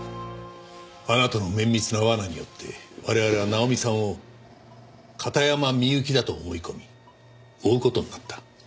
あなたの綿密な罠によって我々はナオミさんを片山みゆきだと思い込み追う事になった。